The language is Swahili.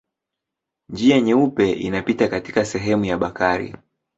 Njia Nyeupe inapita katika sehemu ya Bakari.